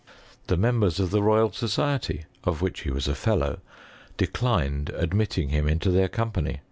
The members of the Royal Society, of which he was '■■ 7, declined admitting him into their company